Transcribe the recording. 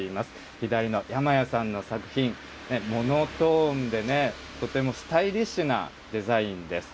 左の山谷さんの作品、モノトーンでね、とてもスタイリッシュなデザインです。